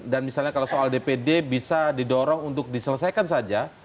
dan misalnya kalau soal dpd bisa didorong untuk diselesaikan saja